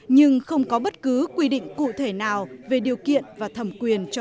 nhưng không có bất cứ quy định cụ thể nào về điều kiện và thông tư